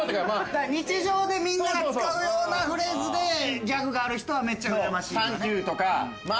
日常でみんなが使うようなフレーズでギャグがある人はめっちゃうらやましいけどね。